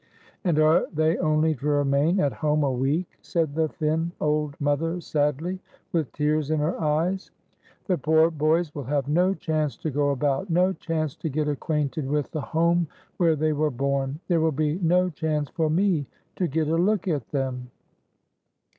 "And are they only to remain at home a week?" said the thin old mother sadly, with tears in her eyes. "The 54 LIFE AT THE SETCH poor boys will have no chance to go about, no chance to get acquainted with the home where they were born; there will be no chance for me to get a look at them."